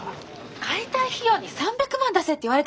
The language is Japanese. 解体費用に３００万出せって言われたんだけど！